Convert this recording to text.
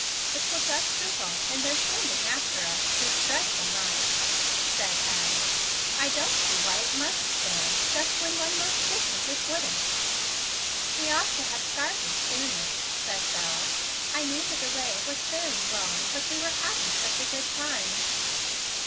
"It will just result in their sending after us, this dreadful night," said Addie. "I don't see why it must storm just when one most wishes it wouldn't." "We ought to have started sooner," said Bel. "I knew the delay was very wrong, but we were having such a good time."